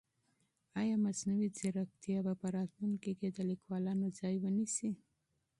آیا مصنوعي ځیرکتیا به په راتلونکي کې د لیکوالانو ځای ونیسي؟